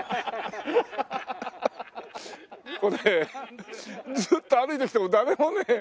これずっと歩いてきても誰もね